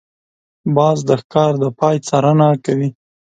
باز د ښکار د پای څارنه کوي